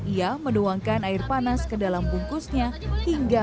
ia menuangkan air panas ke dalam bungkusnya hingga